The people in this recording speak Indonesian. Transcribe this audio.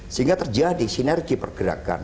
sehingga terjadi sinergi pergerakan